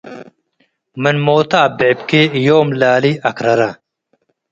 ምን ሞታ አብዕብኪ - ዮም ላሊ አክረራ